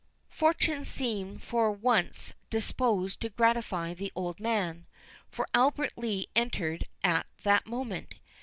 Fortune seemed for once disposed to gratify the old man; for Albert Lee entered at that moment.